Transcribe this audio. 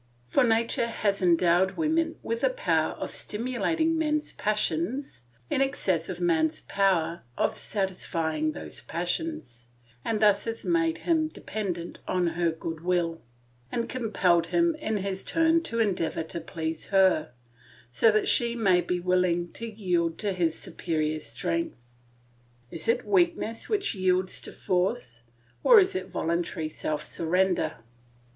For nature has endowed woman with a power of stimulating man's passions in excess of man's power of satisfying those passions, and has thus made him dependent on her goodwill, and compelled him in his turn to endeavour to please her, so that she may be willing to yield to his superior strength. Is it weakness which yields to force, or is it voluntary self surrender?